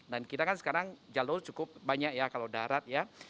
dan kita kan sekarang jalur cukup banyak ya kalau darat ya